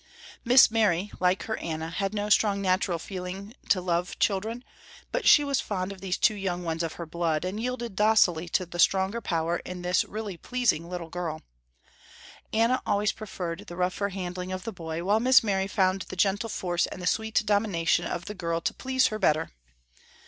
Miss Mary, like her Anna, had no strong natural feeling to love children, but she was fond of these two young ones of her blood, and yielded docilely to the stronger power in the really pleasing little girl. Anna always preferred the rougher handling of the boy, while Miss Mary found the gentle force and the sweet domination of the girl to please her better.